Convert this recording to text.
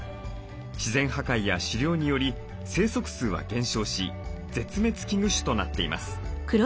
自然破壊や狩猟により生息数は減少し絶滅危惧種となっています。